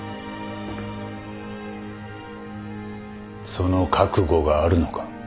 その覚悟があるのか？